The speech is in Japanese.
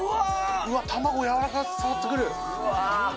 うわー、卵、やわらかさが伝わってくる。